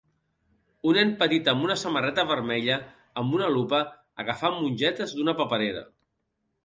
Un nen petit amb una samarreta vermella amb una lupa, agafant mongetes d'una paperera.